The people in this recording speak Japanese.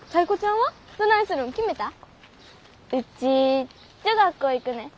ウチ女学校行くねん。